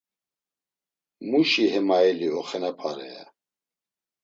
Muşi hemaili oxenapare, ya.